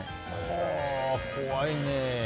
怖いね。